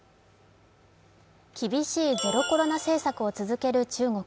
厳しいゼロコロナ政策を続ける中国。